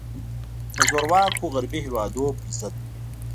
د زورواکو غربي هیوادونو پر ضد.